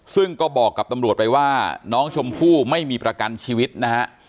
ซึ่งก็บอกกับตำรวจไปว่าน้องชมพู่ไม่มีประกันชีวิตนะฮะ